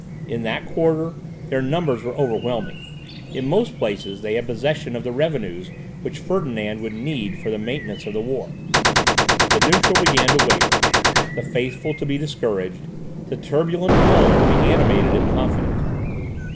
In that quarter, their numbers were overwhelming; in most places they had possession of the revenues which Ferdinand would need for the maintenance of the war. The neutral began to waver, the faithful to be discouraged, the turbulent alone to be animated and confident.